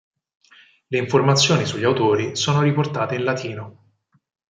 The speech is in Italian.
Le informazioni sugli autori sono riportate in latino.